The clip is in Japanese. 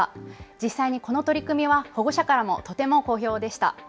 実際にこの取り組みは保護者からもとても好評でした。